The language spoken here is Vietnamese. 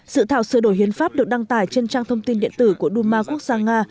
sự thảo sửa đổi hiến pháp được đăng tải trên trang thông tin điện tử của duma quốc gia nga